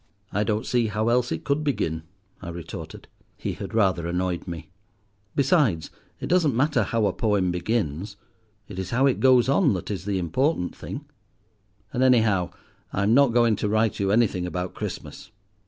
"I don't see how else it could begin," I retorted. He had rather annoyed me. "Besides, it doesn't matter how a poem begins, it is how it goes on that is the important thing and anyhow, I'm not going to write you anything about Christmas.